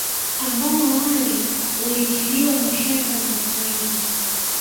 Ambao awali ulitiliwa mashaka na watu wengi